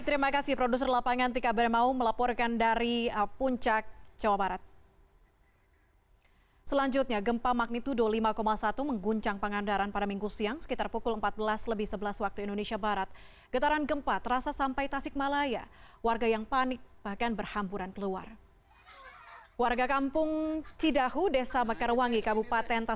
tapi berasanya sangat